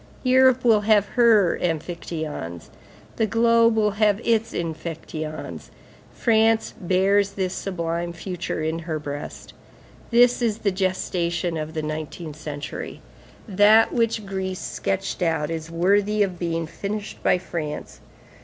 Europe will have her amphictyons; the globe will have its amphictyons. France bears this sublime future in her breast. This is the gestation of the nineteenth century. That which Greece sketched out is worthy of being finished by France.